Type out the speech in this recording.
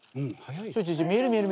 見える見える。